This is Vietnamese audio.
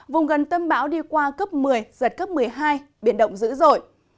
vùng gần tâm bão đi qua cấp một mươi giật cấp một mươi hai biển động dữ dội